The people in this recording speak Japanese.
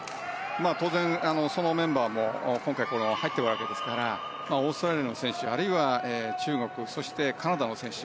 当然、そのメンバーも今回、入っているわけですからオーストラリアの選手あるいは中国そして、カナダの選手。